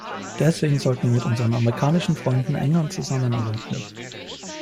Deswegen sollten wir mit unseren amerikanischen Freunden enger zusammenarbeiten.